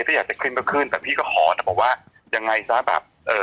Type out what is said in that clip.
ถ้าอยากจะขึ้นก็ขึ้นแต่พี่ก็ขอแต่บอกว่ายังไงซะแบบเอ่อ